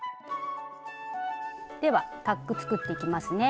ではタック作っていきますね。